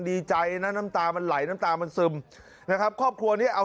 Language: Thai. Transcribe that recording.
ดีใจนะน้ำตามันไหลน้ำตามันซึมนะครับครอบครัวนี้เอา